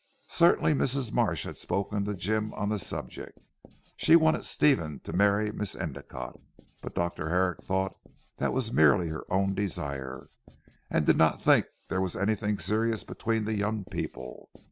Certainly Mrs. Marsh had spoken to Jim on the subject. She wanted Stephen to marry Miss Endicotte, But Dr. Herrick thought that was merely her own desire, and did not think there was anything serious between the young people.